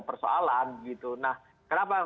persoalan nah kenapa